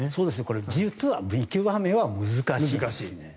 実は見極めは難しいんです。